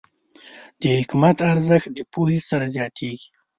د حکمت ارزښت د پوهې سره زیاتېږي.